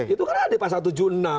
itu kan ada di pasal tujuh puluh enam